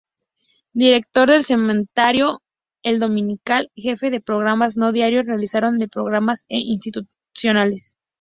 Director del semanario "El Dominical".Jefe de programas no diarios, realizador de programas en Institucionales.